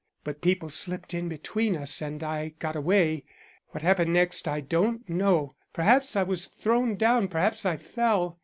But people slipped in between us and I got away. What happened next I don't know. Perhaps I was thrown down, perhaps I fell.